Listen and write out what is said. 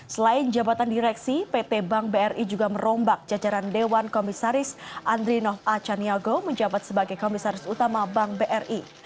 selain jabatan direksi pt bank bri juga merombak jajaran dewan komisaris andrinov a chaniago menjabat sebagai komisaris utama bank bri